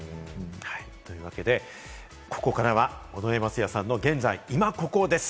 というわけで、ここからは尾上松也さんの現在、イマココです。